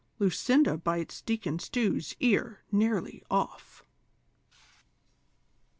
LUCINDA BITES DEACON STEW'S EAR NEARLY OFF.